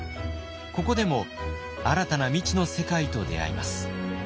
ここでも新たな未知の世界と出会います。